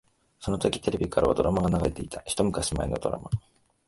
そのときテレビからはドラマが流れていた。一昔前のドラマ。